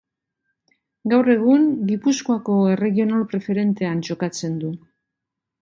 Gaur egun Gipuzkoako Erregional Preferentean jokatzen du.